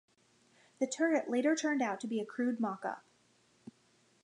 The turret later turned out to be a crude mock-up.